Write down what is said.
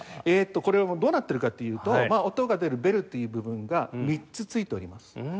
えーっとこれどうなってるかっていうと音が出るベルっていう部分が３つ付いております。